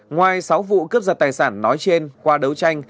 ngoài sáu vụ cướp giật tài sản nói trên qua đấu tranh